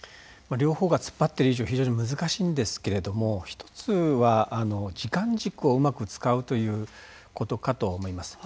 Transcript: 両方がつっぱってる以上非常に難しいんですけれども１つは時間軸をうまく使うということかと思います。